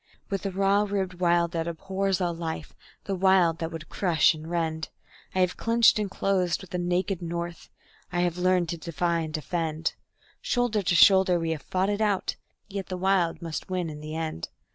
With the raw ribbed Wild that abhors all life, the Wild that would crush and rend, I have clinched and closed with the naked North, I have learned to defy and defend; Shoulder to shoulder we have fought it out yet the Wild must win in the end.